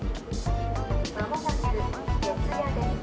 まもなく四ツ谷です。